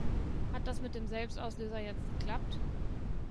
Hat das mit dem Selbstauslöser jetzt geklappt?